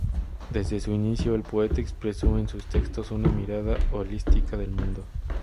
Desde su inicio, el poeta expresó en sus textos una mirada holística del mundo.